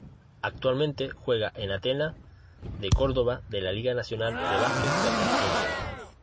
Actualmente juega en Atenas de cordoba de la Liga Nacional de Básquet de Argentina.